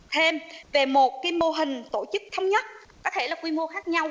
thêm về một cái mô hình tổ chức thống nhất có thể là quy mô khác nhau